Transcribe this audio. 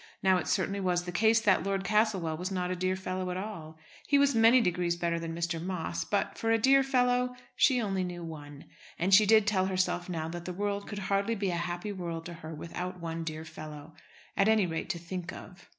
Now, it certainly was the case that Lord Castlewell was not a dear fellow at all. He was many degrees better than Mr. Moss, but for a dear fellow! She only knew one. And she did tell herself now that the world could hardly be a happy world to her without one dear fellow, at any rate, to think of.